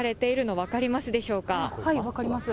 分かります。